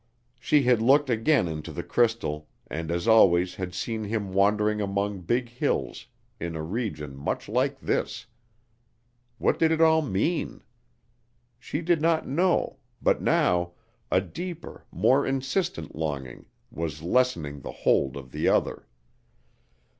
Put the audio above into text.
She had looked again into the crystal and as always had seen him wandering among big hills in a region much like this. What did it all mean? She did not know, but now a deeper, more insistent longing was lessening the hold of the other.